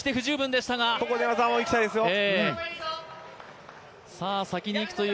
ここで技いきたいですよ。